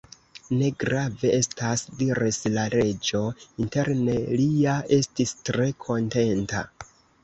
"Ne grave estas," diris la Reĝo. Interne, li ja estis tre kontenta.